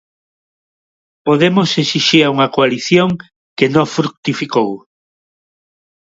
Podemos esixía unha coalición que no frutificou.